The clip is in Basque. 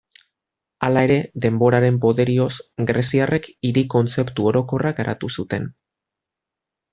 Hala ere, denboraren poderioz, greziarrek hiri-kontzeptu orokorra garatu zuten.